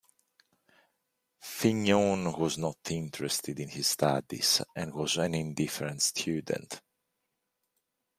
Fignon was not interested in his studies, and was an indifferent student.